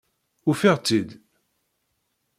Ufiɣ-tt-id.